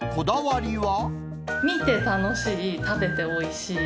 見て楽しい、食べておいしい。